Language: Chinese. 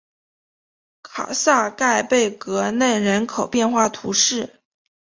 卡萨盖贝戈内人口变化图示